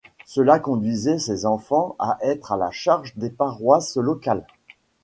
Cela conduisait ces enfants à être à la charge des paroisses locales.